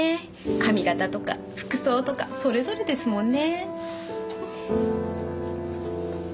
髪形とか服装とかそれぞれですもんね。